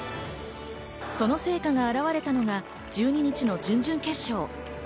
その成果が表われたのは１２日の準々決勝。